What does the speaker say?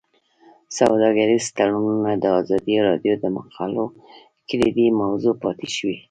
سوداګریز تړونونه د ازادي راډیو د مقالو کلیدي موضوع پاتې شوی.